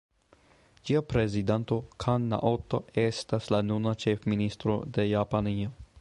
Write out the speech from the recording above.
Ĝia prezidanto Kan Naoto estas la nuna ĉefministro de Japanio.